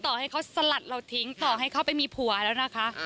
ต่อให้เขาสลัดเราทิ้งต่อให้เขาไปมีผัวแล้วนะคะ